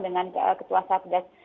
semua dengan ketua satdas